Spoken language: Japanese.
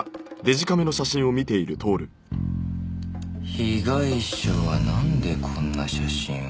被害者はなんでこんな写真を？